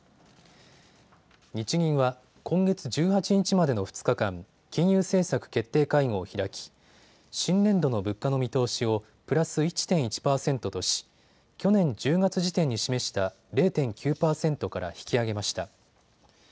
日銀は今月１８日までの２日間、金融政策決定会合を開き新年度の物価の見通しをプラス１．１％とし去年１０月時点に示した０．９％から引き上げました。